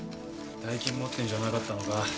大金持ってるんじゃなかったのか？